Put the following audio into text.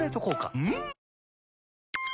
うん！